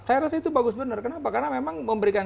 saya rasa itu bagus benar kenapa karena memang memberikan